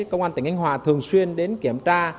công an tỉnh khánh hòa thường xuyên đến kiểm tra